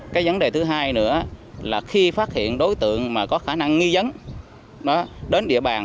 cái vấn đề thứ hai nữa là khi phát hiện đối tượng mà có khả năng nghi dấn đến địa bàn